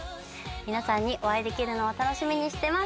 皆さんにお会いできるのを楽しみにしてます